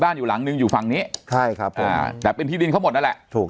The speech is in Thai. บ้านอยู่หลังนึงอยู่ฝั่งนี้แต่เป็นที่ดินเขาหมดแล้วแหละถูก